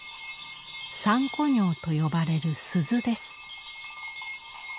「三鈷饒」と呼ばれる鈴です。